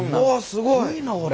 すごいなこれ。